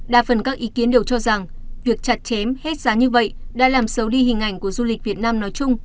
đa phần các ý kiến đều cho rằng việc chặt chém hết giá như vậy đã làm xấu đi hình ảnh của du lịch việt nam nói chung